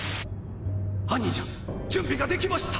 兄者準備ができました！